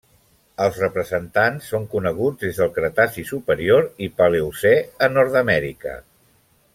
Els representants són coneguts des del Cretaci superior i Paleocè a Nord-amèrica.